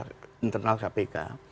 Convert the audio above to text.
yang dilakukan oleh internal kpk